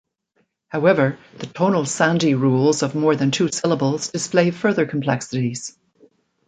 However, the tonal sandhi rules of more than two syllables display further complexities.